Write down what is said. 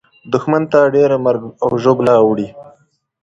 دښمن ته ډېره مرګ او ژوبله اوړي.